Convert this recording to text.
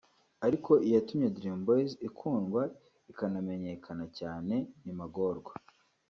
ariko iyatumye Deam boys ikundwa ikanamenyekana cyane ni “Magorwa”